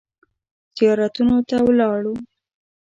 زیارتونو ته ولاړو.